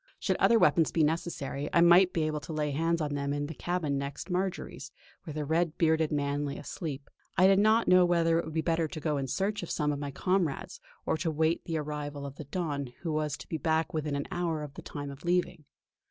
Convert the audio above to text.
Should other weapons be necessary I might be able to lay hands on them in the cabin next Marjory's, where the red bearded man lay asleep. I did not know whether it would be better to go in search of some of my comrades, or to wait the arrival of the Don, who was to be back within an hour of the time of leaving.